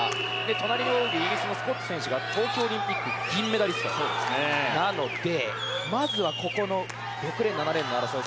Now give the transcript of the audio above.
隣を泳ぐイギリスのスコット選手が東京オリンピック銀メダリストなのでまずはここの６レーン７レーンの争い。